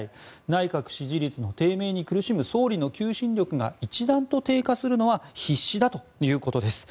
内閣支持率の低迷に苦しむ総理の求心力が一段と低下するのは必至だということです。